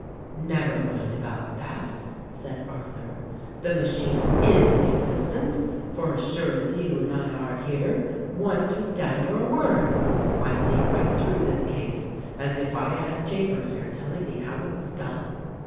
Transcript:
"Never mind about that," said Arthur, "the machine is in existence ; for as sure as you and I are here, one took down your words — I see right through this case as if I had Chambers here telling me how it was done."